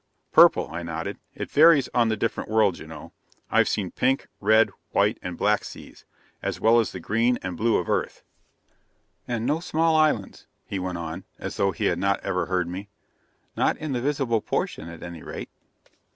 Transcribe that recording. "Purple," I nodded. "It varies on the different worlds, you know. I've seen pink, red, white and black seas, as well as the green and blue of Earth." "And no small islands," he went on, as though he had not ever heard me. "Not in the visible portion, at any rate."